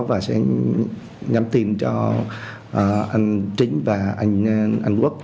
và sẽ nhắn tin cho anh chính và anh quốc